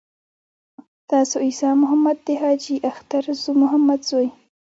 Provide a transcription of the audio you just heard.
تاسو عیسی محمد د حاجي اختر محمد زوی.